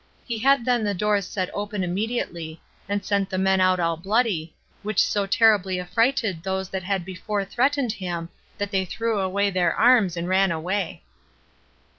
He had then the doors set open immediately, and sent the men out all bloody, which so terribly affrighted those that had before threatened him, that they threw away their arms and ran away.